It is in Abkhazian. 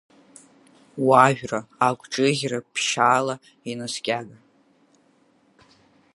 Уажәра агәҿыӷьра ԥшьшьала инаскьага…